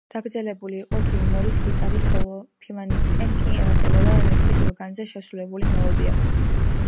დაგრძელებული იყო გილმორის გიტარის სოლო, ფინალისკენ კი ემატებოდა რაიტის ორგანზე შესრულებული მელოდია.